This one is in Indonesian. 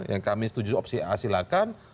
yang kami setuju opsi a silakan